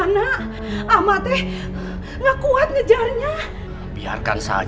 ketika dia pulang dia akan kembali ke tempat yang dia inginkan